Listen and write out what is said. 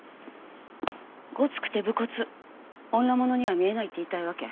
ごつくて武骨女物には見えないって言いたいわけ？